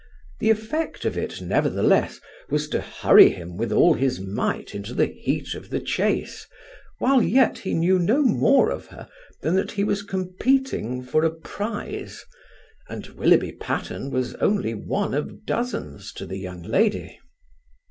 The effect of it, nevertheless, was to hurry him with all his might into the heat of the chase, while yet he knew no more of her than that he was competing for a prize, and Willoughby Patterne was only one of dozens to the young lady.